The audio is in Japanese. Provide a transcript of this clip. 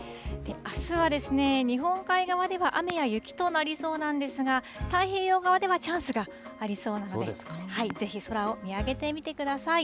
あすは日本海側では雨や雪となりそうなんですが、太平洋側ではチャンスがありそうなので、ぜひ空を見上げてみてください。